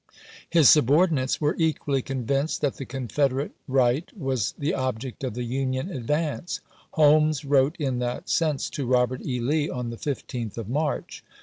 His subordinates were equally convinced that the Confederate right was the object of the Union advance; Holmes wrote in that sense to Robert E. Lee on the 15th of March.